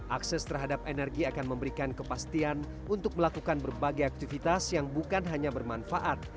akses terhadap energi akan memberikan kepastian untuk melakukan berbagai aktivitas yang bukan hanya bermanfaat